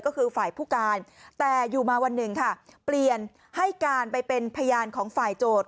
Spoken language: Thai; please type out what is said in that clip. ก็คือฝ่ายผู้การแต่อยู่มาวันหนึ่งค่ะเปลี่ยนให้การไปเป็นพยานของฝ่ายโจทย์